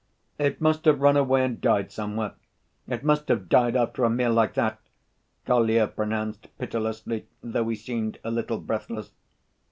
"It must have run away and died somewhere. It must have died after a meal like that," Kolya pronounced pitilessly, though he seemed a little breathless.